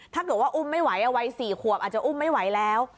ถ้าเกิดว่าอุ้มไม่ไหววัย๔ขวบอาจจะอุ้มไม่ไหวแล้ว